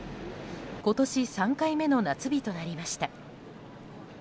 今年３回目の夏日となりました。